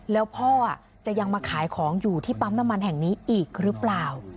แล้วพ่อจะยังมาขายของอยู่ที่ปั๊มน้ำมันแห่งนี้อีกหรือเปล่า